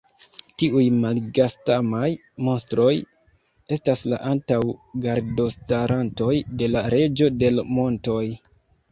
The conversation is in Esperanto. Tiuj malgastamaj monstroj estas la antaŭ-gardostarantoj de la Reĝo de l' montoj.